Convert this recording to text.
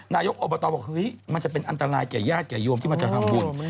นายกอบตบอกเฮ้ยมันจะเป็นอันตรายแก่ญาติแก่โยมที่มันจะทำบุญ